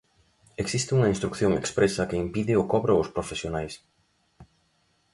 Existe unha instrución expresa que impide o cobro aos profesionais.